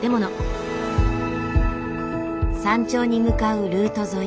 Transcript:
山頂に向かうルート沿い